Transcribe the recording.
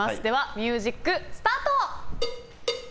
ミュージックスタート！